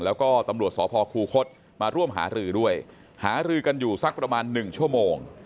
แล้วก็ตำรวจสพคูคศมาร่วมหารือด้วยหารือกันอยู่สักประมาณ๑ชั่วโมง